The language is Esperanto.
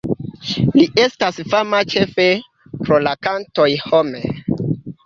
Li estas fama ĉefe pro la kantoj "Home!